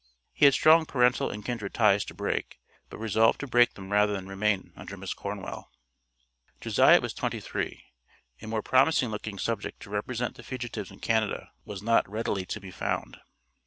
He had strong parental and kindred ties to break, but resolved to break them rather than remain under Miss Cornwell. Josiah was twenty three. A more promising looking subject to represent the fugitives in Canada, was not readily to be found.